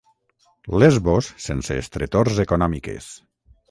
Lesbos sense estretors econòmiques.